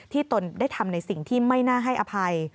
ตนได้ทำในสิ่งที่ไม่น่าให้อภัย